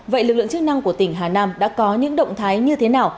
vậy lực lượng chức năng của tỉnh hà nam đã có những động thái như thế nào